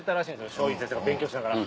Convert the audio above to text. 松陰先生が勉強しながら。